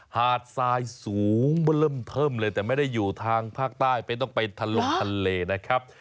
หาดทรายสูงเมื่อเริ่มเทิมเลยแต่ไม่ได้อยู่ทางภาคใต้ไม่ต้องไปทะลงทะเลนะครับ